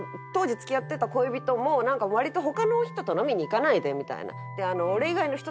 当時付き合ってた恋人もわりと「他の人と飲みにいかないで」みたいな。